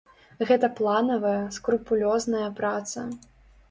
Гэта планавая, скрупулёзная праца.